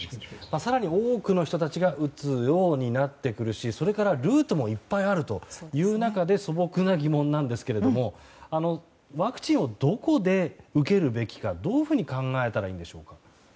更に多くの人たちが打つようになってくるしそれからルートもいっぱいあるという中で素朴な疑問なんですけどワクチンをどこで受けるべきかどういうふうに考えたらいいんでしょうか。